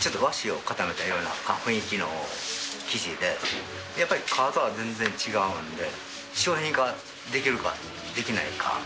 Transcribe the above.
ちょっと和紙を固めたような雰囲気の生地で、やっぱり革とは全然違うんで、商品化できるか、できないか。